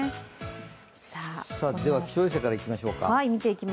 では気象衛星からいきましょうか。